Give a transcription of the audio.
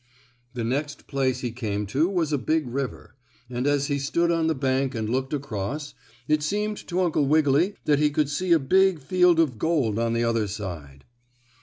The next place he came to was a big river, and, as he stood on the bank and looked across, it seemed to Uncle Wiggily that he could see a big field of gold on the other side.